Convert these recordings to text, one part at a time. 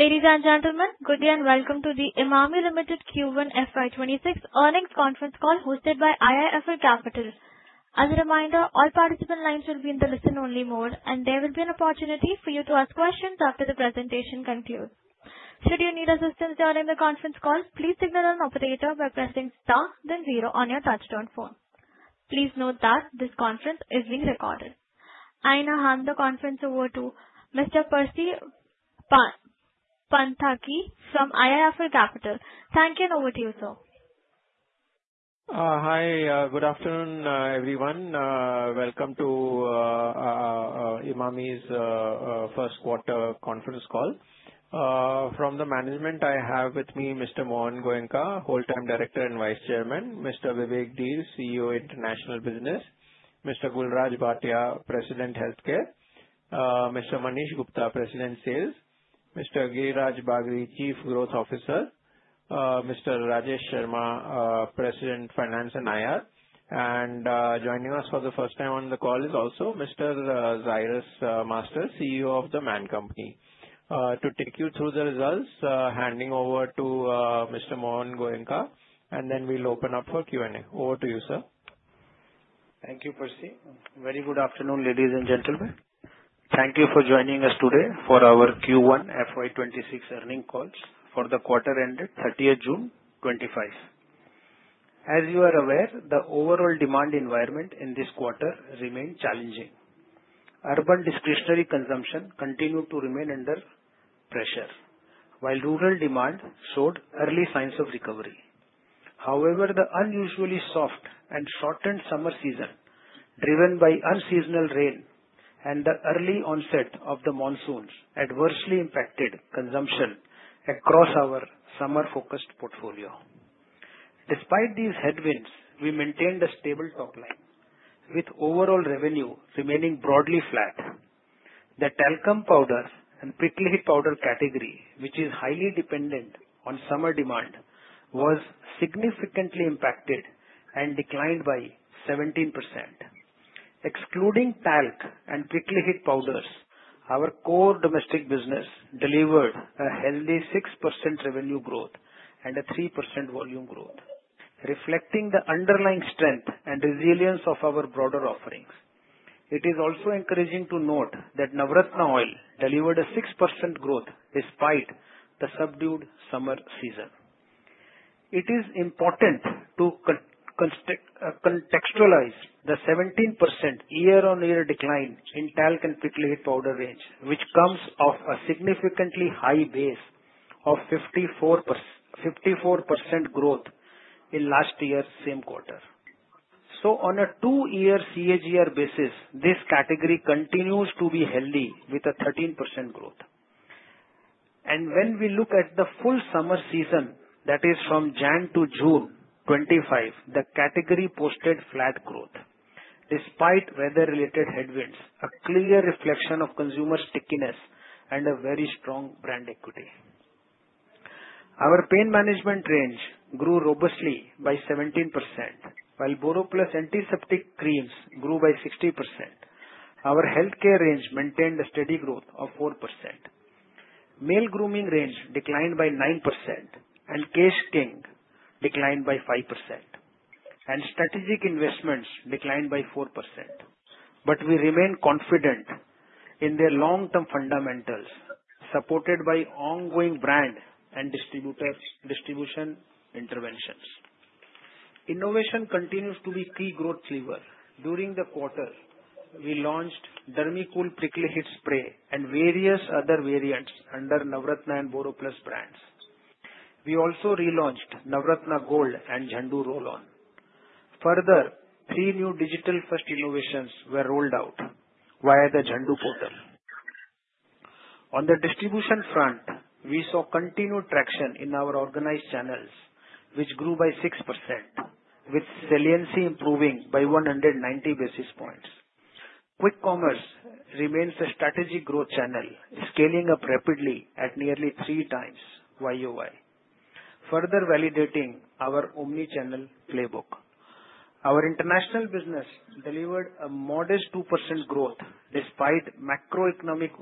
Ladies and gentlemen, good day and welcome to the Emami Limited Q1 FY 2026 earnings conference call hosted by IIFL Capital. As a reminder, all participant lines will be in the listen-only mode, and there will be an opportunity for you to ask questions after the presentation concludes. Should you need assistance during the conference call, please signal an operator by pressing star, then zero on your touch-tone phone. Please note that this conference is being recorded. I now hand the conference over to Mr. Percy Panthaki from IIFL Capital. Thank you, and over to you, sir. Hi, good afternoon, everyone. Welcome to Emami's first quarter conference call. From the management, I have with me Mr. Mohan Goenka, Whole-time Director and Vice Chairman, Mr. Vivek Dhir, CEO of International Business, Mr. Gul Raj Bhatia, President, Healthcare, Mr. Manish Gupta, President, Sales, Mr. Giriraj Bagri, Chief Growth Officer, Mr. Rajesh Sharma, President, Finance, and IR. Joining us for the first time on the call is also Mr. Zairus Master, CEO of The Man Company. To take you through the results, handing over to Mr. Mohan Goenka, and then we'll open up for Q&A. Over to you, sir. Thank you, Percy. Very good afternoon, ladies and gentlemen. Thank you for joining us today for our Q1 FY 2026 earnings call for the quarter ended 30th June, 2025. As you are aware, the overall demand environment in this quarter remained challenging. Urban discretionary consumption continued to remain under pressure, while rural demand showed early signs of recovery. However, the unusually soft and shortened summer season, driven by unseasonal rain and the early onset of the monsoons, adversely impacted consumption across our summer-focused portfolio. Despite these headwinds, we maintained a stable top line, with overall revenue remaining broadly flat. The talcum powders and prickly heat powder category, which is highly dependent on summer demand, was significantly impacted and declined by 17%. Excluding talc and prickly heat powders, our core domestic business delivered a healthy 6% revenue growth and a 3% volume growth, reflecting the underlying strength and resilience of our broader offerings. It is also encouraging to note that Navratna oil delivered a 6% growth despite the subdued summer season. It is important to contextualize the 17% year-on-year decline in talc and prickly heat powder range, which comes off a significantly high base of 54% growth in last year's same quarter. On a two-year CAGR basis, this category continues to be healthy with a 13% growth. When we look at the full summer season, that is from January to June 2025, the category posted flat growth despite weather-related headwinds, a clear reflection of consumer stickiness and a very strong brand equity. Our pain management range grew robustly by 17%, while BoroPlus antiseptic creams grew by 60%. Our healthcare range maintained a steady growth of 4%. Male grooming range declined by 9%, and Kesh King declined by 5%. Strategic investments declined by 4%. We remain confident in their long-term fundamentals, supported by ongoing brand and distribution interventions. Innovation continues to be a key growth driver. During the quarter, we launched Dermicool Prickly Heat Spray and various other variants under Navratna and BoroPlus brands. We also relaunched Navratna Gold and Zandu Roll-On. Further, three new digital-first innovations were rolled out via the Zandu portal. On the distribution front, we saw continued traction in our organized channels, which grew by 6%, with saliency improving by 190 basis points. Quick commerce remains a strategic growth channel, scaling up rapidly at nearly 3x YoY, further validating our omnichannel playbook. Our international business delivered a modest 2% growth despite macroeconomic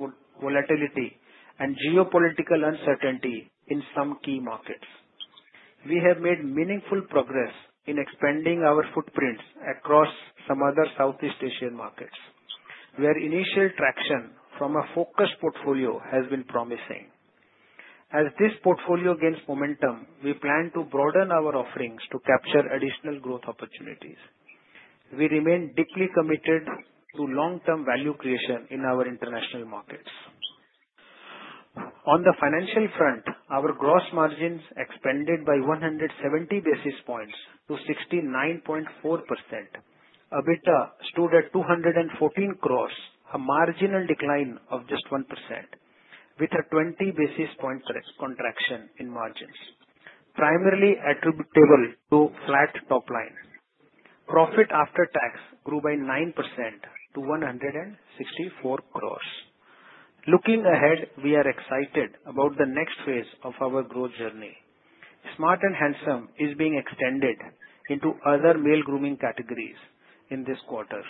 volatility and geopolitical uncertainty in some key markets. We have made meaningful progress in expanding our footprints across some other Southeast Asian markets, where initial traction from a focused portfolio has been promising. As this portfolio gains momentum, we plan to broaden our offerings to capture additional growth opportunities. We remain deeply committed to long-term value creation in our international markets. On the financial front, our gross margins expanded by 170 basis points to 69.4%. EBITDA stood at 214 crore, a marginal decline of just 1%, with a 20 basis points contraction in margins, primarily attributable to flat top line. PAT grew by 9% to 164 crore. Looking ahead, we are excited about the next phase of our growth journey. Smart and Handsome is being extended into other male grooming categories in this quarter.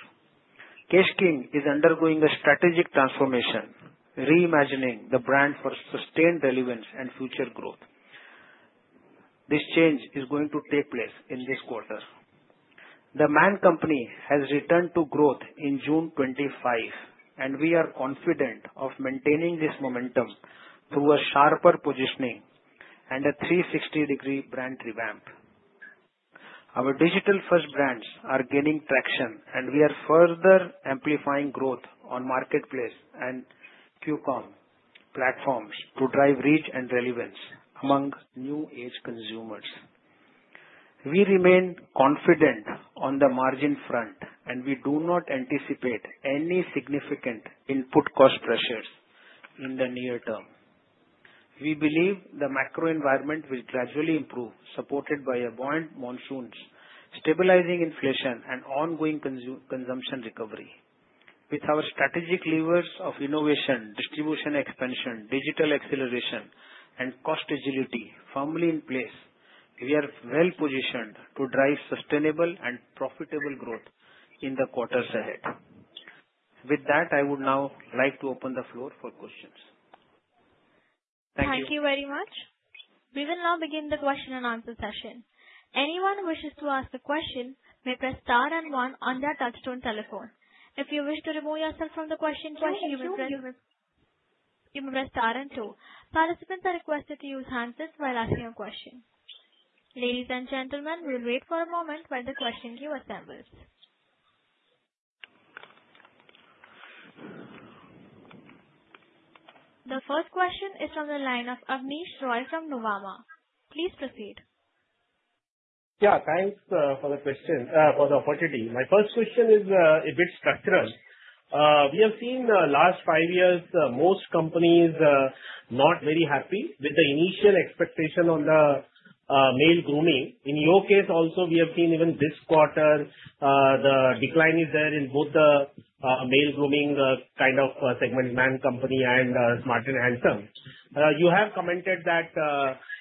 Kesh King is undergoing a strategic transformation, reimagining the brand for sustained relevance and future growth. This change is going to take place in this quarter. The Man Company has returned to growth in June 2025, and we are confident of maintaining this momentum through a sharper positioning and a 360-degree brand revamp. Our digital-first brands are gaining traction, and we are further amplifying growth on marketplace and quick commerce platforms to drive reach and relevance among new-age consumers. We remain confident on the margin front, and we do not anticipate any significant input cost pressures in the near term. We believe the macro environment will gradually improve, supported by abhorrent monsoons, stabilizing inflation, and ongoing consumption recovery. With our strategic levers of innovation, distribution expansion, digital acceleration, and cost agility firmly in place, we are well-positioned to drive sustainable and profitable growth in the quarters ahead. With that, I would now like to open the floor for questions. Thank you. Thank you very much. We will now begin the question and answer session. Anyone who wishes to ask a question may press star and one on their touch-tone telephone. If you wish to remove yourself from the question, please press star and two. Question two. You may press star and two. Participants are requested to use handsets while asking a question. Ladies and gentlemen, we'll wait for a moment while the question queue assembles. The first question is from the line of Abneesh Roy from Nuvama. Please proceed. Yeah, thanks for the question, for the opportunity. My first question is a bit structural. We have seen the last five years most companies not very happy with the initial expectation on the male grooming. In your case also, we have seen even this quarter the decline is there in both the male grooming kind of segment, The Man Company, and Smart and Handsome. You have commented that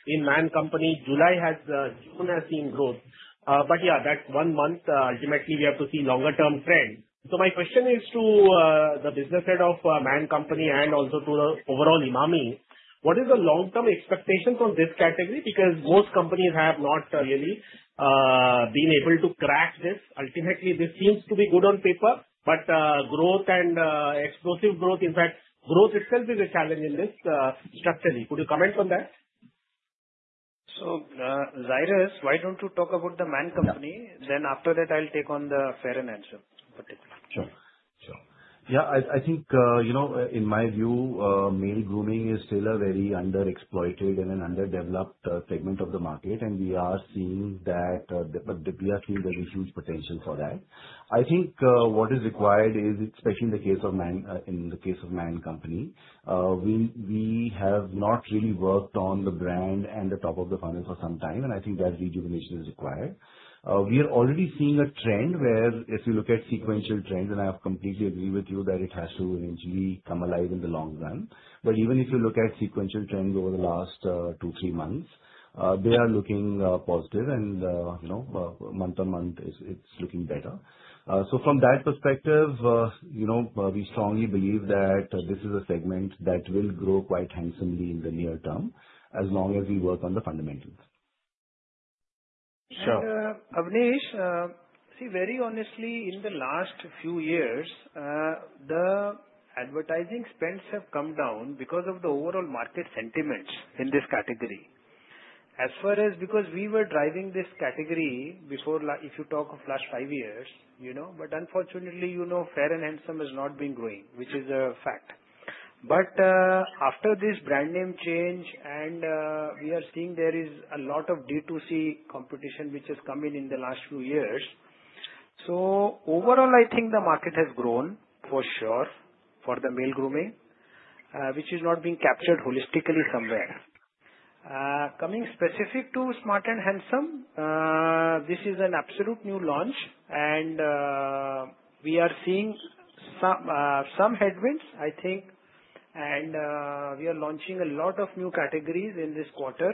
in The Man Company, July has seen growth. That one month, ultimately, we have to see longer-term trends. My question is to the business head of The Man Company and also to the overall Emami, what is the long-term expectation from this category? Because most companies have not really been able to crack this. Ultimately, this seems to be good on paper, but growth and explosive growth, in fact, growth itself is a challenge in this structurally. Could you comment on that? Zairus, why don't you talk about The Man Company? After that, I'll take on the Fair and Handsome particular. Sure, sure. Yeah, I think, you know, in my view, male grooming is still a very underexploited and underdeveloped segment of the market, and we are seeing that, but we are seeing there's a huge potential for that. I think what is required is, especially in the case of The Man Company, we have not really worked on the brand and the top of the funnel for some time, and I think that rejuvenation is required. We are already seeing a trend where, if you look at sequential trends, and I completely agree with you that it has to eventually come alive in the long run. Even if you look at sequential trends over the last two, three months, they are looking positive, and you know, month on month, it's looking better. From that perspective, you know, we strongly believe that this is a segment that will grow quite handsomely in the near term as long as we work on the fundamentals. Sure. Abneesh, see, very honestly, in the last few years, the advertising spends have come down because of the overall market sentiment in this category. As far as because we were driving this category before, if you talk of the last five years, you know, but unfortunately, you know, Fair and Handsome has not been growing, which is a fact. After this brand name change, we are seeing there is a lot of D2C competition which has come in in the last few years. Overall, I think the market has grown for sure for the male grooming, which is not being captured holistically somewhere. Coming specific to Smart and Handsome, this is an absolute new launch, and we are seeing some headwinds, I think, and we are launching a lot of new categories in this quarter.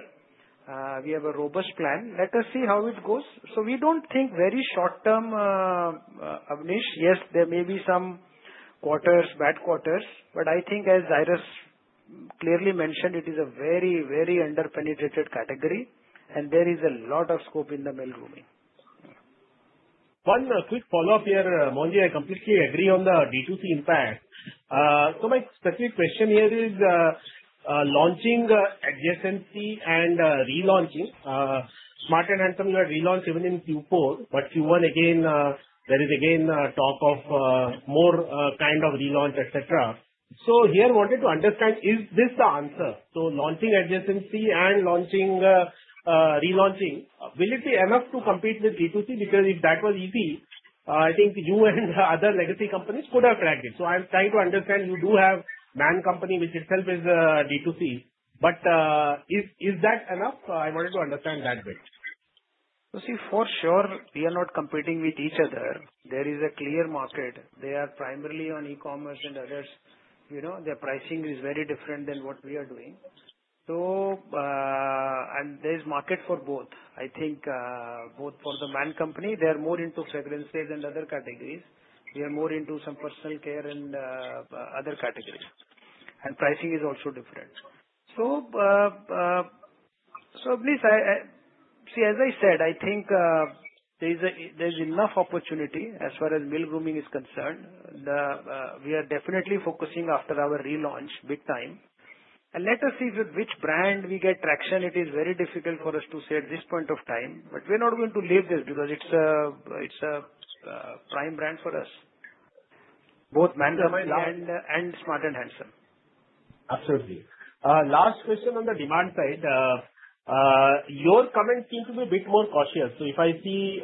We have a robust plan. Let us see how it goes. We don't think very short term, Abneesh. Yes, there may be some quarters, bad quarters, but I think, as Zairus clearly mentioned, it is a very, very underpenetrated category, and there is a lot of scope in the male grooming. One quick follow-up here, Mohan ji. I completely agree on the D2C impact. My specific question here is, launching adjacency and relaunching. Smart and Handsome, you had relaunched even in Q4, but Q1, again, there is again a talk of more kind of relaunch, etc. I wanted to understand, is this the answer? Launching adjacency and launching, relaunching, will it be enough to compete with D2C? Because if that was easy, I think you and the other legacy companies could have cracked it. I'm trying to understand, you do have The Man Company, which itself is a D2C, but is that enough? I wanted to understand that bit. For sure, we are not competing with each other. There is a clear market. They are primarily on e-commerce and others. Their pricing is very different than what we are doing, and there's market for both. I think both for The Man Company, they're more into fragrances and other categories. We are more into some personal care and other categories, and pricing is also different. Abneesh, as I said, I think there is enough opportunity as far as male grooming is concerned. We are definitely focusing after our relaunch big time. Let us see with which brand we get traction. It is very difficult for us to say at this point of time, but we're not going to leave this because it's a prime brand for us, both The Man Company and Smart and Handsome. Absolutely. Last question on the demand side. Your comments seem to be a bit more cautious. If I see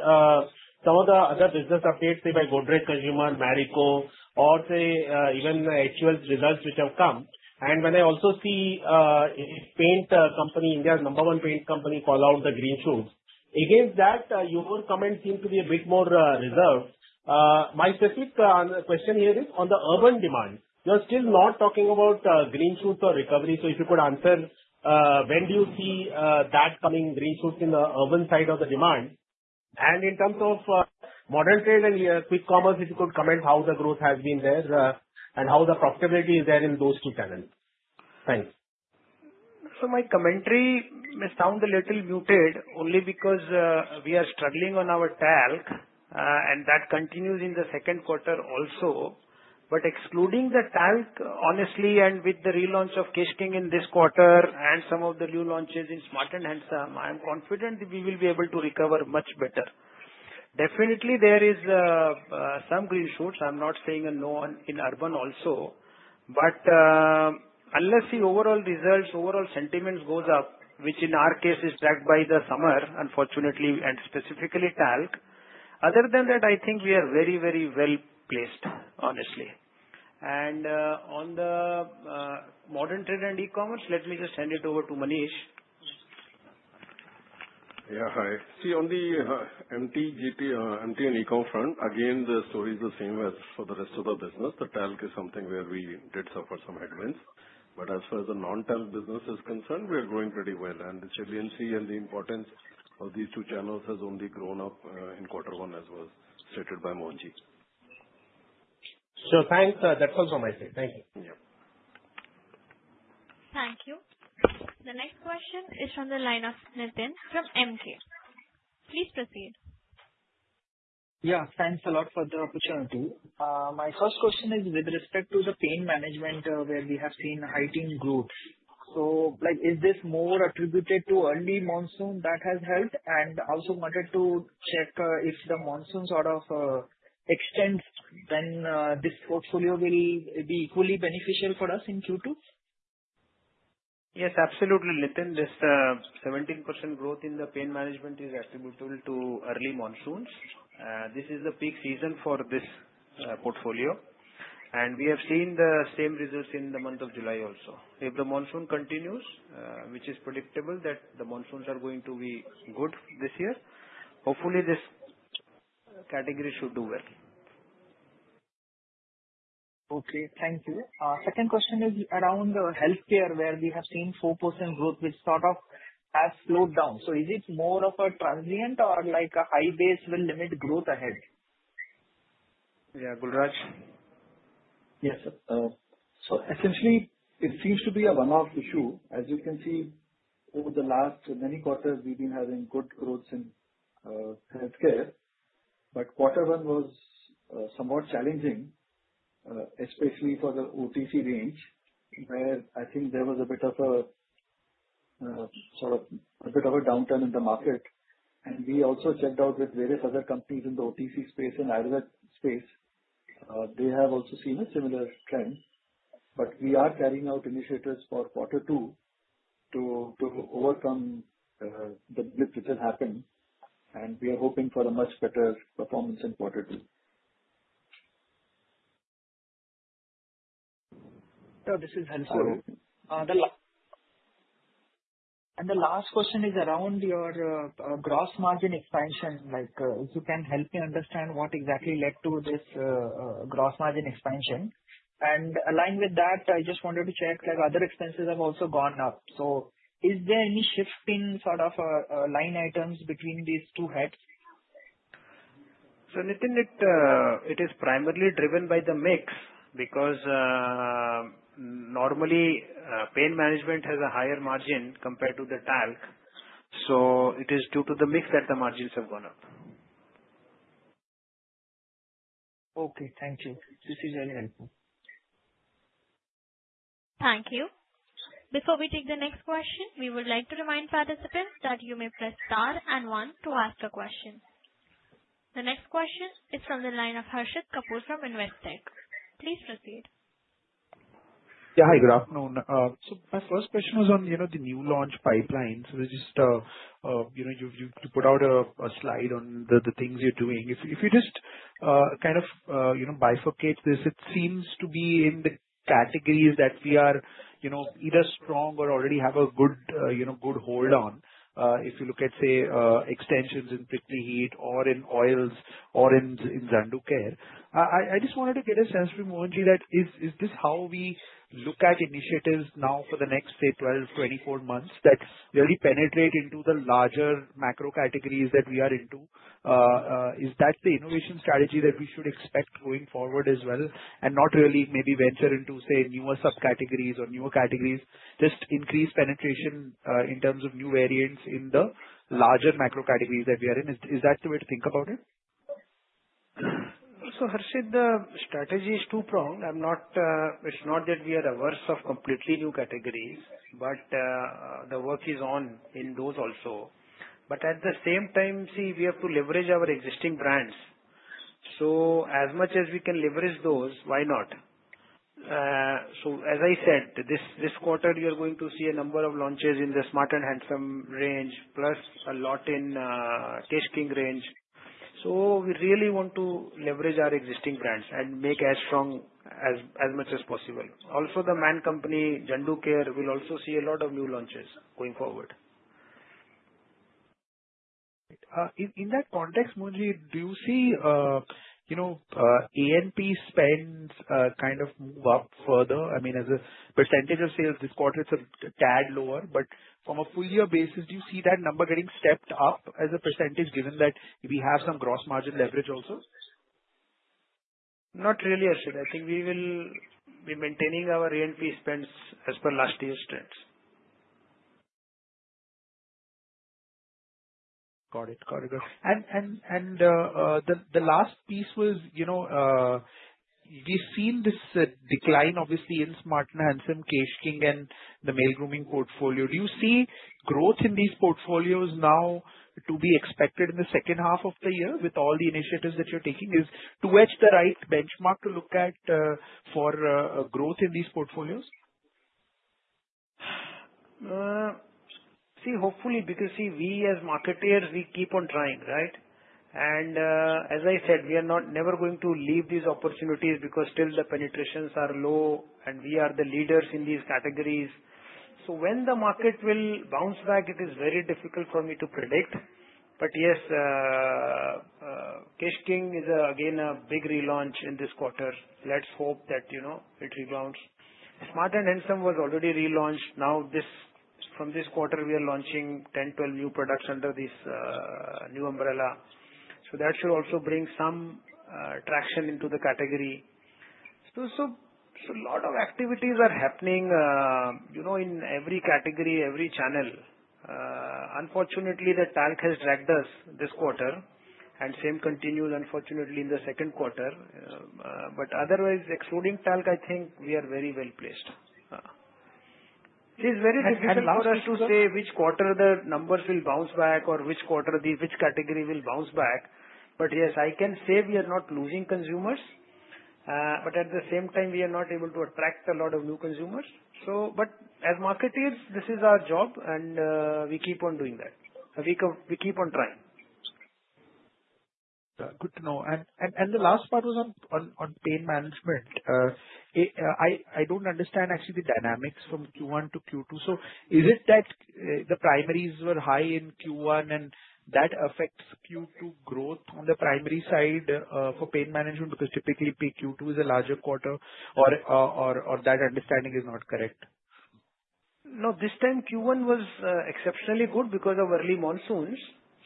some of the other business updates, say by Godrej Consumer, Marico, or even HUL's results, which have come, and when I also see paint company, India's number one paint company, call out the green shoots. Against that, your comments seem to be a bit more reserved. My specific question here is on the urban demand. You're still not talking about green shoots or recovery. If you could answer, when do you see that coming, green shoots in the urban side of the demand? In terms of modern trade and quick commerce, if you could comment how the growth has been there, and how the profitability is there in those two channels. Thanks. My commentary may sound a little muted, only because we are struggling on our talc, and that continues in the second quarter also. Excluding the talc, honestly, and with the relaunch of Kesh King in this quarter and some of the new launches in Smart and Handsome, I am confident that we will be able to recover much better. Definitely, there is some green shoots. I'm not saying a no in urban also. Unless the overall results, overall sentiment goes up, which in our case is dragged by the summer, unfortunately, and specifically talc, other than that, I think we are very, very well placed, honestly. On the modern trade and e-commerce, let me just hand it over to Manish. Yeah, hi. See, on the MTGT, MT, and e-com front, again, the story is the same as for the rest of the business. The talc is something where we did suffer some headwinds. As far as the non-talc business is concerned, we are growing pretty well. The saliency and the importance of these two channels has only grown up in quarter one, as was stated by Mohan ji. Thank you. That's all from my side. Thank you. Yeah. Thank you. The next question is from the line of Nitin from Emkay. Please proceed. Yeah, thanks a lot for the opportunity. My first question is with respect to the pain management where we have seen a heightened growth. Is this more attributed to early monsoon that has helped? I also wanted to check if the monsoon sort of extends, then this portfolio will be equally beneficial for us in Q2? Yes, absolutely. Nitin, this 17% growth in the pain management is attributable to early monsoons. This is the peak season for this portfolio, and we have seen the same results in the month of July also. If the monsoon continues, which is predictable that the monsoons are going to be good this year, hopefully, this category should do well. Okay, thank you. Second question is around the healthcare where we have seen 4% growth, which sort of has slowed down. Is it more of a transient or like a high base will limit growth ahead? Yeah, Gul Raj? Yes, sir. It seems to be a one-off issue. As you can see, over the last many quarters, we've been having good growth in healthcare. Quarter one was somewhat challenging, especially for the OTC range, where I think there was a bit of a downturn in the market. We also checked out with various other companies in the OTC space and IRS space. They have also seen a similar trend. We are carrying out initiatives for quarter two to overcome the blip which has happened. We are hoping for a much better performance in quarter two. This is the last. The last question is around your gross margin expansion. If you can help me understand what exactly led to this gross margin expansion, and aligned with that, I just wanted to check, like other expenses have also gone up. Is there any shift in sort of line items between these two heads? It is primarily driven by the mix because normally pain management has a higher margin compared to the talc. It is due to the mix that the margins have gone up. Okay, thank you. This is very helpful. Thank you. Before we take the next question, we would like to remind participants that you may press star and one to ask a question. The next question is from the line of Harit Kapoor from Investec. Please proceed. Yeah, hi, good afternoon. My first question was on the new launch pipelines. You put out a slide on the things you're doing. If you just kind of bifurcate this, it seems to be in the categories that we are either strong or already have a good hold on. If you look at, say, extensions in prickly heat or in oils or in Zandu Care, I just wanted to get a sense from Mohan ji that is this how we look at initiatives now for the next, say, 12, 24 months that really penetrate into the larger macro categories that we are into? Is that the innovation strategy that we should expect going forward as well and not really maybe venture into, say, newer subcategories or newer categories, just increase penetration in terms of new variants in the larger macro categories that we are in? Is that the way to think about it? Harit, the strategy is two-pronged. It's not that we are averse of completely new categories, but the work is on in those also. At the same time, we have to leverage our existing brands. As much as we can leverage those, why not? As I said, this quarter, you're going to see a number of launches in the Smart and Handsome range, plus a lot in Kesh King range. We really want to leverage our existing brands and make as strong as much as possible. Also, The Man Company, Zandu Care will also see a lot of new launches going forward. In that context, Mohan ji, do you see ANP spends kind of move up further? I mean, as a percentage of sales this quarter, it's a tad lower. From a full-year basis, do you see that number getting stepped up as a percentage given that we have some gross margin leverage also? Not really, Harit. I should. I think we will be maintaining our ANP spends as per last year's trends. Got it. Got it. Got it. The last piece was, you know, we've seen this decline, obviously, in Smart and Handsome, Kesh King, and the male grooming portfolio. Do you see growth in these portfolios now to be expected in the second half of the year with all the initiatives that you're taking? Is 2H the right benchmark to look at for growth in these portfolios? See, hopefully, because see, we as marketers, we keep on trying, right? As I said, we are never going to leave these opportunities because still the penetrations are low and we are the leaders in these categories. When the market will bounce back, it is very difficult for me to predict. Yes, Kesh King is again a big relaunch in this quarter. Let's hope that, you know, it rebounds. Smart and Handsome was already relaunched. Now, from this quarter, we are launching 10, 12 new products under this new umbrella. That should also bring some traction into the category. A lot of activities are happening, you know, in every category, every channel. Unfortunately, the talc has dragged us this quarter, and same continues, unfortunately, in the second quarter. Otherwise, excluding talc, I think we are very well placed. It is very difficult for us to say which quarter the numbers will bounce back or which quarter the category will bounce back. Yes, I can say we are not losing consumers. At the same time, we are not able to attract a lot of new consumers. As marketers, this is our job, and we keep on doing that. We keep on trying. Good to know. The last part was on pain management. I don't understand actually the dynamics from Q1 to Q2. Is it that the primaries were high in Q1 and that affects Q2 growth on the primary side for pain management because typically Q2 is a larger quarter, or that understanding is not correct? No, this time Q1 was exceptionally good because of early monsoons.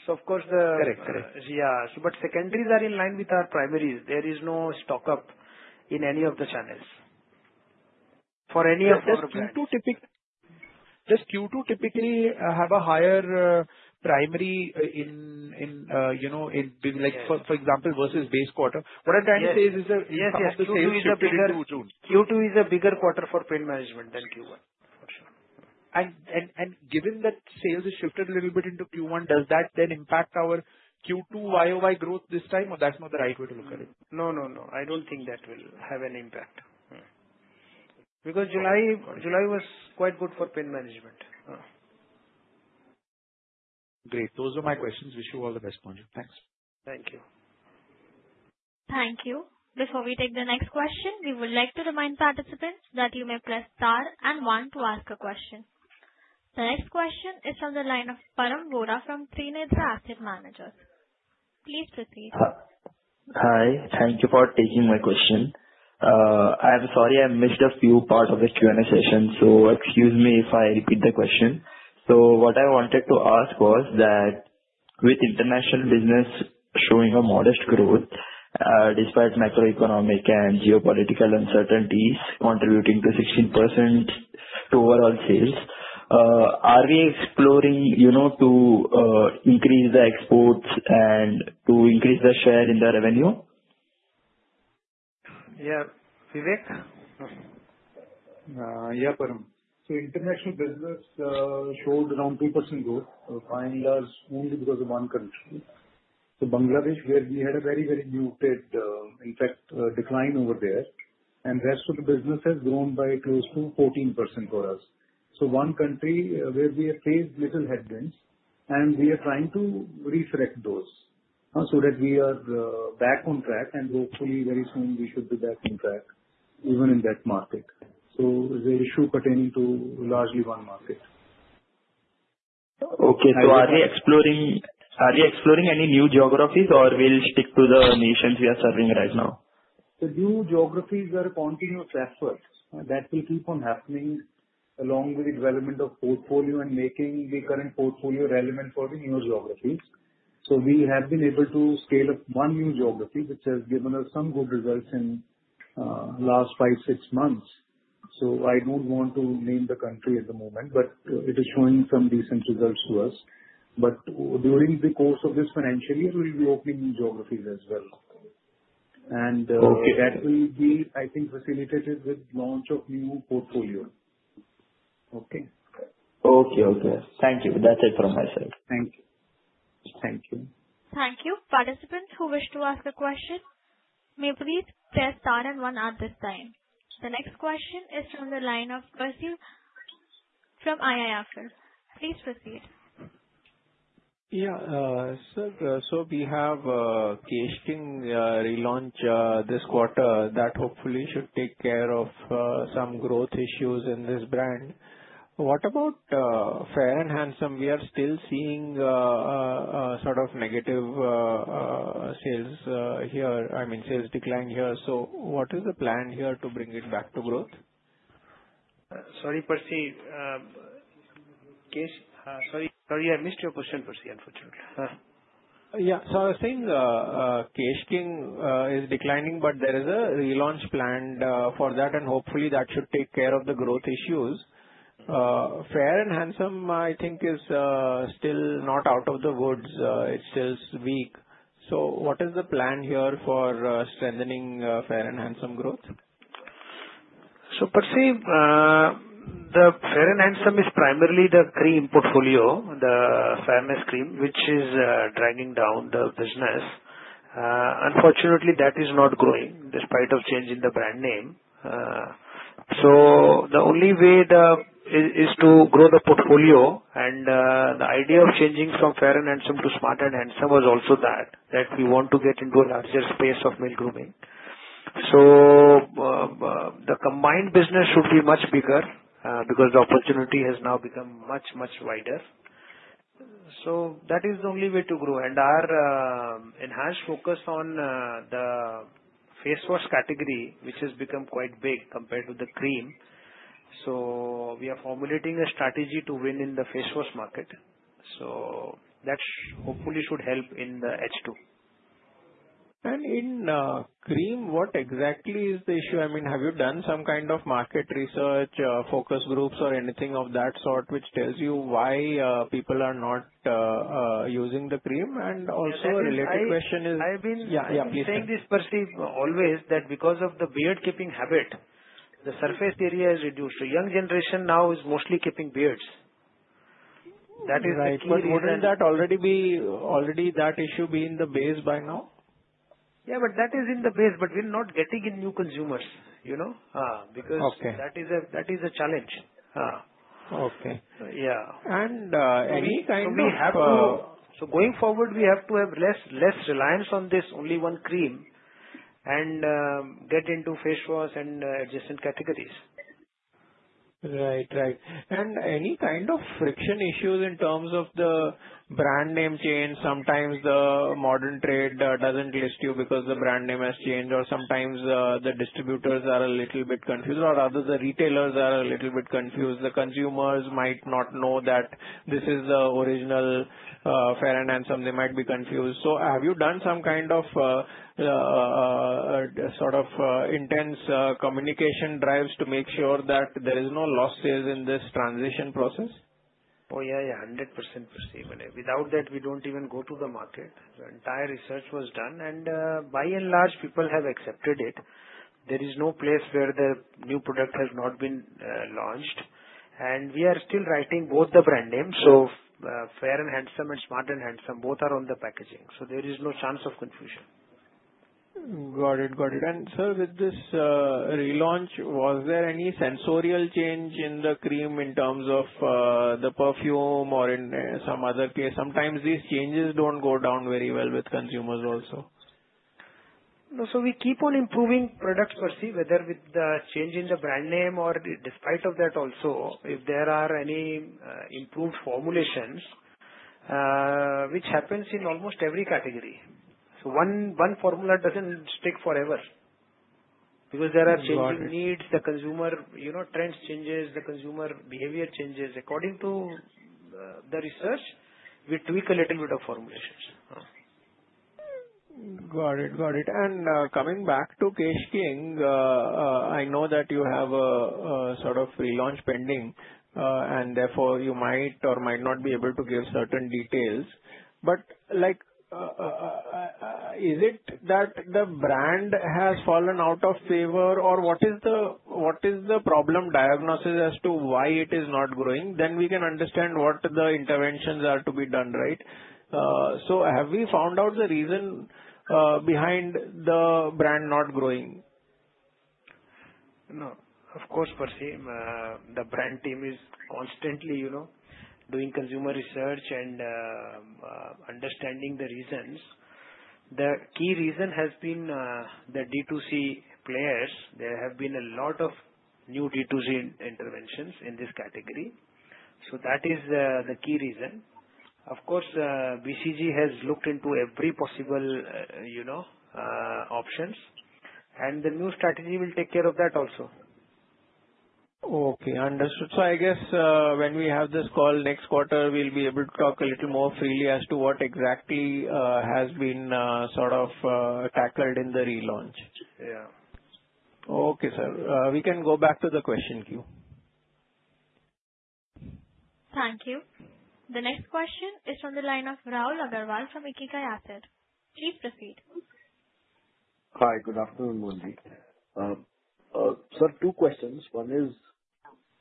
Of course, the. Correct, correct. Yeah. Secondaries are in line with our primaries. There is no stock up in any of the channels for any of those. Does Q2 typically have a higher primary in, you know, for example, versus base quarter? What I'm trying to say is that. Yes, yes. Q2 is a bigger quarter for pain management than Q1, for sure. Given that sales have shifted a little bit into Q1, does that then impact our Q2 YoY growth this time, or that's not the right way to look at it? No, I don't think that will have an impact because July was quite good for pain management. Great. Those are my questions. Wish you all the best, Mohan ji. Thanks. Thank you. Thank you. Before we take the next question, we would like to remind participants that you may press star and one to ask a question. The next question is from the line of Param Vora from Trinetra Asset Managers. Please proceed. Hi. Thank you for taking my question. I'm sorry I missed a few parts of the Q&A session. Excuse me if I repeat the question. What I wanted to ask was that with international business showing a modest growth, despite macroeconomic and geopolitical uncertainties contributing to 16% to overall sales, are we exploring to increase the exports and to increase the share in the revenue? Yeah, Vivek? Yeah, Param. International business showed around 3% growth, 5% only because of one country. Bangladesh, where we had a very, very muted, in fact, decline over there. The rest of the business has grown by close to 14% for us. One country where we have faced little headwinds, and we are trying to resurrect those so that we are back on track. Hopefully, very soon, we should be back on track even in that market. The issue pertaining to largely one market. Okay. Are we exploring any new geographies or will we stick to the nations we are serving right now? The new geographies are a continuous effort that will keep on happening along with the development of portfolio and making the current portfolio relevant for the newer geographies. We have been able to scale up one new geography, which has given us some good results in the last five, six months. I don't want to name the country at the moment, but it is showing some decent results to us. During the course of this financial year, we'll be opening new geographies as well, and that will be, I think, facilitated with the launch of new portfolio. Okay. Thank you. That's it from my side. Thank you. Thank you. Thank you. Participants who wish to ask a question may please press star and one at this time. The next question is from the line of Percy from IIFL. Please proceed. Yeah, sir. We have a Kesh King relaunch this quarter that hopefully should take care of some growth issues in this brand. What about Fair and Handsome? We are still seeing a sort of negative sales here, I mean, sales decline here. What is the plan here to bring it back to growth? Sorry, Percy. Sorry, I missed your question, Percy, unfortunately. Yeah, I was saying Kesh King is declining, but there is a relaunch planned for that, and hopefully, that should take care of the growth issues. Fair and Handsome, I think, is still not out of the woods. It sells weak. What is the plan here for strengthening Fair and Handsome growth? Percy, the Fair and Handsome is primarily the cream portfolio, the famous cream, which is dragging down the business. Unfortunately, that is not growing despite the change in the brand name. The only way is to grow the portfolio, and the idea of changing from Fair and Handsome to Smart and Handsome was also that, that we want to get into a larger space of male grooming. The combined business should be much bigger because the opportunity has now become much, much wider. That is the only way to grow. Our enhanced focus is on the face wash category, which has become quite big compared to the cream. We are formulating a strategy to win in the face wash market. That hopefully should help in the H2. In cream, what exactly is the issue? I mean, have you done some kind of market research, focus groups, or anything of that sort which tells you why people are not using the cream? Also, a related question is. I've been. Yeah, please go. Percy, always that because of the beard-keeping habit, the surface area is reduced. The young generation now is mostly keeping beards. Right. Wouldn't that issue be in the base by now? Yeah, that is in the base, but we're not getting in new consumers, you know, because that is a challenge. Okay. Yeah. Any kind of. We have to. Going forward, we have to have less reliance on this, only one cream, and get into face wash and adjacent categories. Right. Any kind of friction issues in terms of the brand name change? Sometimes the modern trade doesn't list you because the brand name has changed, or sometimes the distributors are a little bit confused, or rather the retailers are a little bit confused. The consumers might not know that this is the original Fair and Handsome. They might be confused. Have you done some kind of intense communication drives to make sure that there is no lost sales in this transition process? Oh, yeah, yeah. 100%, Percy. Without that, we don't even go to the market. The entire research was done, and by and large, people have accepted it. There is no place where the new product has not been launched. We are still writing both the brand names. Fair and Handsome and Smart and Handsome, both are on the packaging. There is no chance of confusion. Got it. Got it. Sir, with this relaunch, was there any sensorial change in the cream in terms of the perfume or in some other case? Sometimes these changes don't go down very well with consumers also. No. We keep on improving products, Percy, whether with the change in the brand name or despite that also, if there are any improved formulations, which happens in almost every category. One formula doesn't stick forever because there are changing needs. The consumer trends change. The consumer behavior changes. According to the research, we tweak a little bit of formulations. Got it. Got it. Coming back to Kesh King, I know that you have a sort of relaunch pending, and therefore, you might or might not be able to give certain details. Is it that the brand has fallen out of favor, or what is the problem diagnosis as to why it is not growing? We can understand what the interventions are to be done, right? Have we found out the reason behind the brand not growing? No. Of course, Percy. The brand team is constantly doing consumer research and understanding the reasons. The key reason has been the D2C players. There have been a lot of new D2C interventions in this category. That is the key reason. Of course, BCG has looked into every possible option. The new strategy will take care of that also. Okay. Understood. I guess when we have this call next quarter, we'll be able to talk a little more freely as to what exactly has been sort of tackled in the relaunch. Yeah. Okay, sir. We can go back to the question queue. Thank you. The next question is from the line of Rahul Agarwal from Ikigai Asset. Please proceed. Hi. Good afternoon, Mohan ji. Sir, two questions. One is,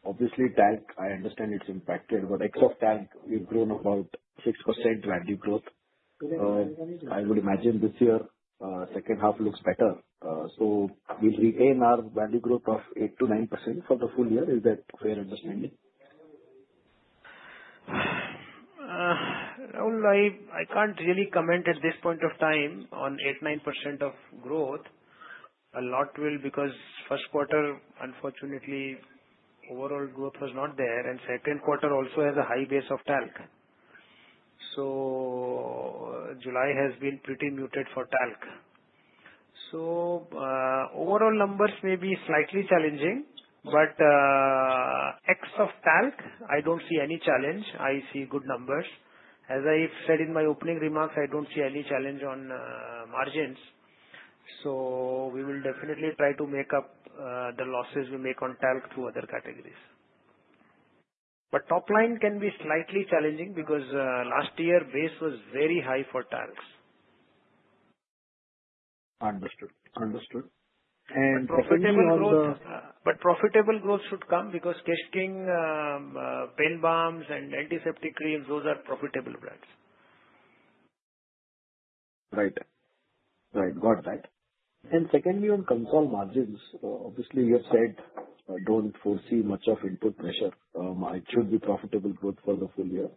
obviously, talc, I understand it's impacted, but ex of talc, we've grown about 6% value growth. I would imagine this year, second half looks better. We'll retain our value growth of 8%-9% for the full year. Is that a fair understanding? I can't really comment at this point of time on 8%-9% of growth. A lot will because first quarter, unfortunately, overall growth was not there. Second quarter also has a high base of talc. July has been pretty muted for talc. Overall numbers may be slightly challenging, but ex of talc, I don't see any challenge. I see good numbers. As I said in my opening remarks, I don't see any challenge on margins. We will definitely try to make up the losses we make on talc through other categories. Top line can be slightly challenging because last year, base was very high for talc. Understood. Understood. Secondly, on the. Profitable growth should come because Kesh King, pain balms, and antiseptic creams, those are profitable brands. Right. Right. Got that. Secondly, on consult margins, obviously, you have said don't foresee much of input pressure. It should be profitable growth for the full year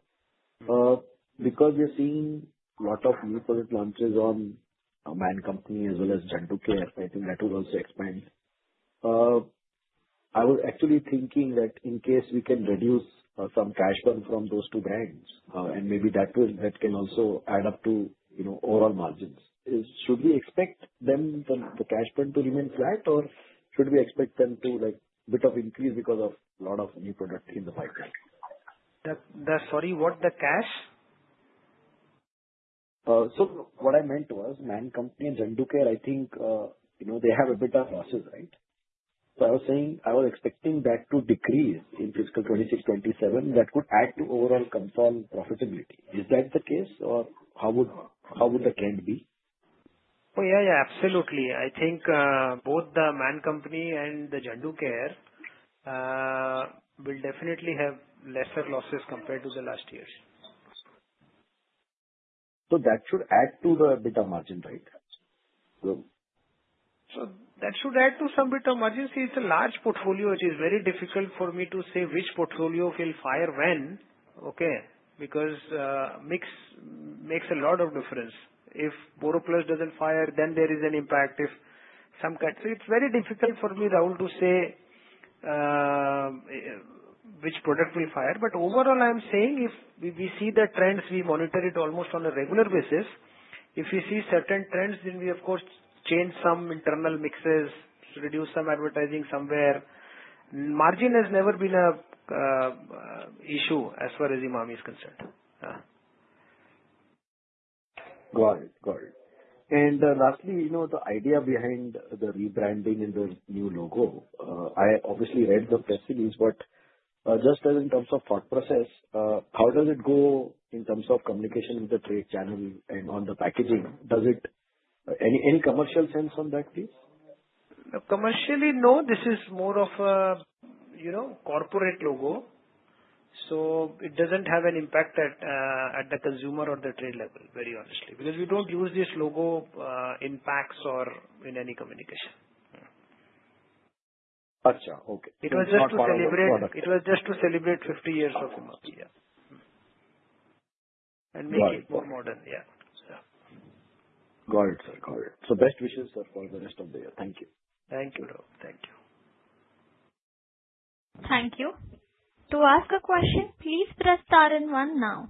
because we are seeing a lot of new product launches on The Man Company as well as Zandu Care. I think that will also expand. I was actually thinking that in case we can reduce some cash burn from those two brands, maybe that can also add up to overall margins. Should we expect them, the cash burn, to remain flat, or should we expect them to increase a bit because of a lot of new products in the pipeline? Sorry, what? The cash? What I meant was The Man Company and Zandu Care, I think they have a bit of losses, right? I was saying I was expecting that to decrease in fiscal 2026/2027. That could add to overall consolidated profitability. Is that the case, or how would the trend be? Yeah, yeah. Absolutely. I think both The Man Company and the Zandu Care will definitely have lesser losses compared to the last years. That should add to the bit of margin, right? That should add to some bit of margin. See, it's a large portfolio, which is very difficult for me to say which portfolio will fire when, okay? Because mix makes a lot of difference. If BoroPlus doesn't fire, then there is an impact. It's very difficult for me, Rahul, to say which product will fire. Overall, I'm saying if we see the trends, we monitor it almost on a regular basis. If we see certain trends, then we, of course, change some internal mixes, reduce some advertising somewhere. Margin has never been an issue as far as Emami is concerned. Got it. Got it. Lastly, you know, the idea behind the rebranding and the new logo, I obviously read the press release, but just as in terms of thought process, how does it go in terms of communication with the trade channels and on the packaging? Does it make any commercial sense on that, please? Commercially, no. This is more of a, you know, corporate logo. It doesn't have an impact at the consumer or the trade level, very honestly, because we don't use this logo in packs or in any communication. Gotcha. Okay. It was just to celebrate. Not for the product. It was just to celebrate 50 years of Emami, yeah. Got it. Make it more modern, yeah. Got it, sir. Got it. Best wishes, sir, for the rest of the year. Thank you. Thank you, Rahul. Thank you. Thank you. To ask a question, please press star and one now.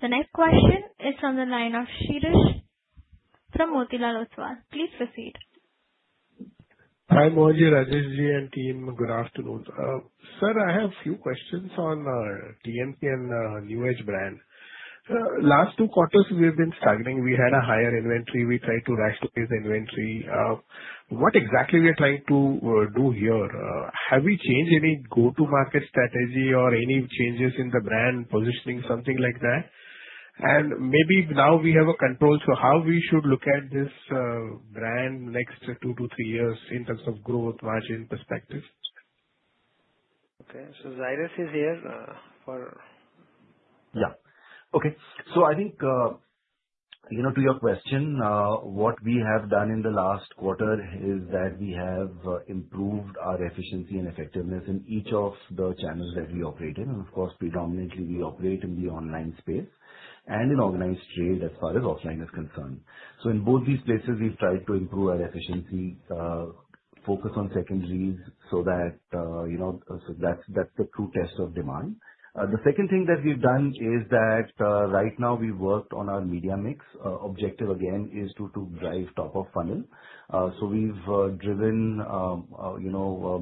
The next question is from the line of Shirush from Motilal Oswal. Please proceed. Hi, Mohan ji, Rajesh ji, and team. Good afternoon. Sir, I have a few questions on TMC and new age brand. Sir, last two quarters, we have been staggering. We had a higher inventory. We tried to rationalize the inventory. What exactly are we trying to do here? Have we changed any go-to-market strategy or any changes in the brand positioning, something like that? Maybe now we have a control to how we should look at this brand next two to three years in terms of growth, margin perspective. Okay, Zairus is here for. Yeah. Okay. I think, to your question, what we have done in the last quarter is that we have improved our efficiency and effectiveness in each of the channels that we operate in. Of course, predominantly, we operate in the online space and in organized trade as far as offline is concerned. In both these places, we've tried to improve our efficiency, focus on secondaries so that that's the true test of demand. The second thing that we've done is that right now, we've worked on our media mix. Objective, again, is to drive top of funnel. We've driven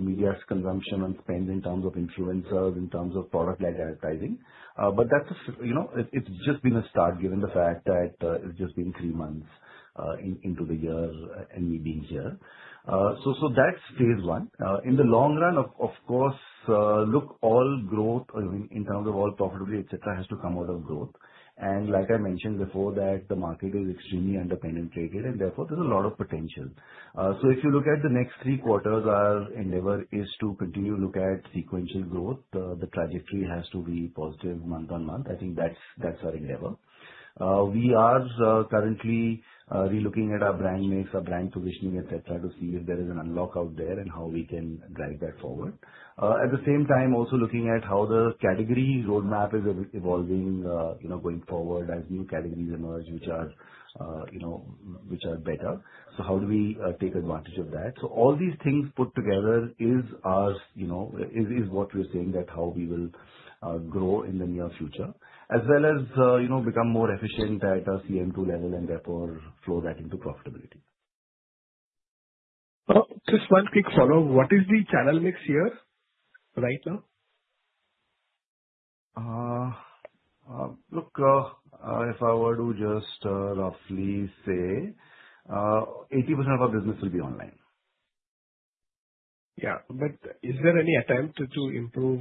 media consumption and spend in terms of influencers, in terms of product-led advertising. That's just been a start given the fact that it's just been three months into the year and me being here. That's phase I. In the long run, all growth, in terms of all profitability, etc., has to come out of growth. Like I mentioned before, the market is extremely underpenetrated, and therefore, there's a lot of potential. If you look at the next three quarters, our endeavor is to continue to look at sequential growth. The trajectory has to be positive month on month. I think that's our endeavor. We are currently relooking at our brand mix, our brand positioning, etc., to see if there is an unlock out there and how we can drive that forward. At the same time, also looking at how the category roadmap is evolving going forward as new categories emerge, which are better. How do we take advantage of that? All these things put together is what we're saying that how we will grow in the near future, as well as become more efficient at a CM2 level and therefore flow that into profitability. What is the channel mix here right now? If I were to just roughly say, 80% of our business will be online. Yeah, is there any attempt to improve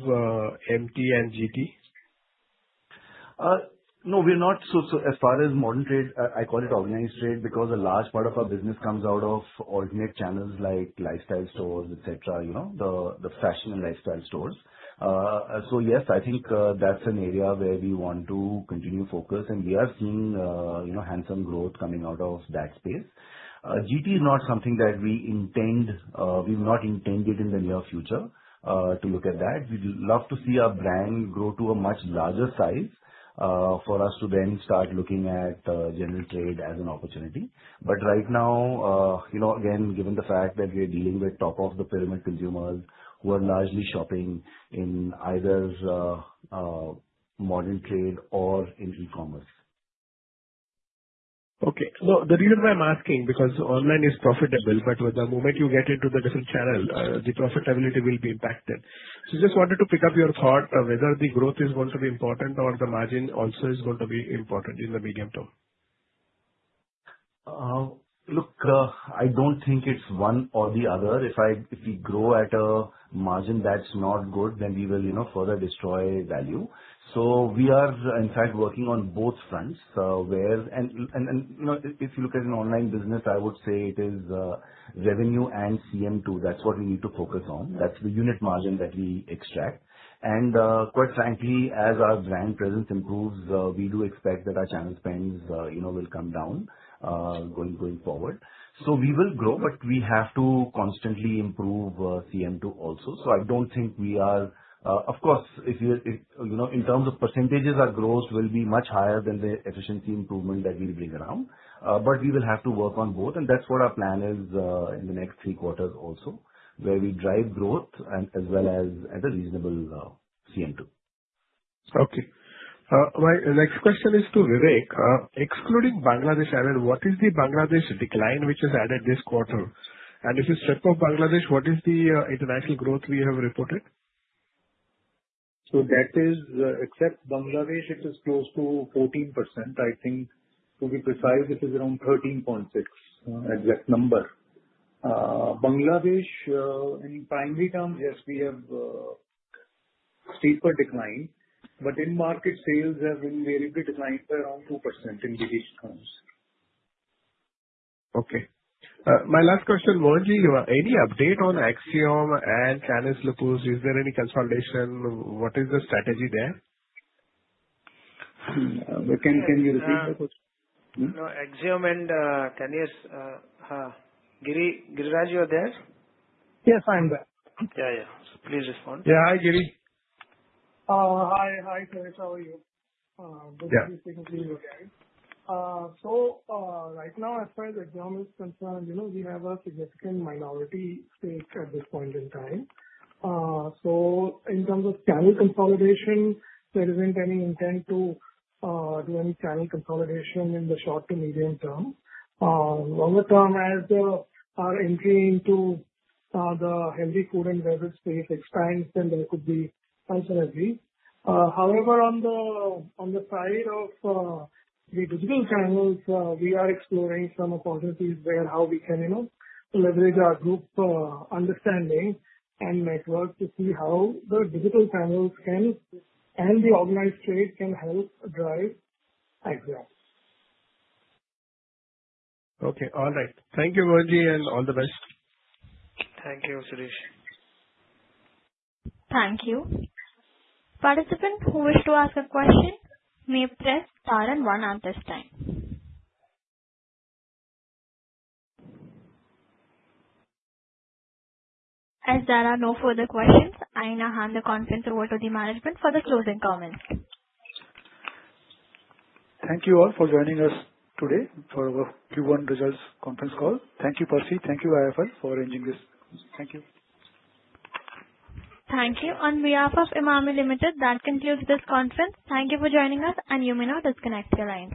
MT and GT? No, we're not. As far as modern trade, I call it organized trade because a large part of our business comes out of alternate channels like lifestyle stores, etc., you know, the fashion and lifestyle stores. Yes, I think that's an area where we want to continue focusing. We are seeing, you know, handsome growth coming out of that space. GT is not something that we intend. We've not intended in the near future to look at that. We'd love to see our brand grow to a much larger size for us to then start looking at general trade as an opportunity. Right now, you know, again, given the fact that we're dealing with top of the pyramid consumers who are largely shopping in either modern trade or in e-commerce. Okay. The reason why I'm asking is because online is profitable, but the moment you get into the different channels, the profitability will be impacted. I just wanted to pick up your thought whether the growth is going to be important or the margin also is going to be important in the medium term. Look, I don't think it's one or the other. If we grow at a margin that's not good, then we will further destroy value. We are, in fact, working on both fronts where, and you know, if you look at an online business, I would say it is revenue and CM2. That's what we need to focus on. That's the unit margin that we extract. Quite frankly, as our brand presence improves, we do expect that our channel spends will come down going forward. We will grow, but we have to constantly improve CM2 also. I don't think we are, of course, if you're, you know, in terms of percentage, our growth will be much higher than the efficiency improvement that we bring around. We will have to work on both. That's what our plan is in the next three quarters also, where we drive growth as well as at a reasonable CM2. Okay. My next question is to Vivek. Excluding Bangladesh, what is the Bangladesh decline which has added this quarter? If you step off Bangladesh, what is the international growth we have reported? That is, except Bangladesh, it is close to 14%. I think, to be precise, it is around 13.6%, exact number. Bangladesh, in primary terms, yes, we have a steeper decline. In market sales, we're able to decline by around 2% in BDH terms. Okay. My last question, Mohan ji, any update on Axiom and Cannis Lupus? Is there any consolidation? What is the strategy there? Can you repeat that question? Axiom and Cannis, Giriraj, you are there? Yes, I am there. Yeah, yeah. Please respond. Yeah, hi, Giri. Hi, Shirush. How are you? Yeah. I'm doing okay. Right now, as far as Axiom is concerned, we have a significant minority stake at this point in time. In terms of channel consolidation, there isn't any intent to do any channel consolidation in the short to medium term. Longer term, as our entry into the healthy food and beverage space expands, there could be some synergy. However, on the side of the digital channels, we are exploring some opportunities where we can leverage our group understanding and network to see how the digital channels and the organized trade can help drive Axiom. Okay. All right. Thank you, Mohan ji, and all the best. Thank you, Shirush. Thank you. Participants who wish to ask a question may press star and one at this time. As there are no further questions, I now hand the conference over to the management for the closing comments. Thank you all for joining us today for our Q1 results conference call. Thank you, Percy. Thank you, IIFL, for arranging this. Thank you. Thank you. On behalf of Emami Limited, that concludes this conference. Thank you for joining us, and you may now disconnect your line.